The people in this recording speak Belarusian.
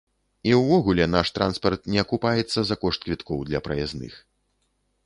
І ўвогуле, наш транспарт не акупаецца за кошт квіткоў для праязных.